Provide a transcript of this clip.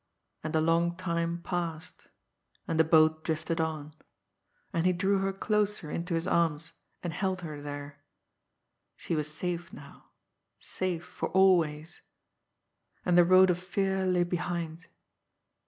And a long time passed. And the boat drifted on. And he drew her closer into his arms, and held her there. She was safe now, safe for always and the road of fear lay behind.